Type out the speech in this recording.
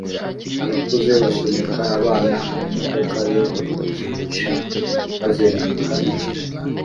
Abakuze basunika abana mumodoka yo gukinisha bazenguruka inzira